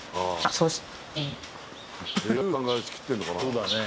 そうだね。